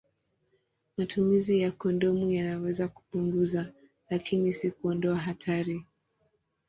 Matumizi ya kondomu yanaweza kupunguza, lakini si kuondoa hatari.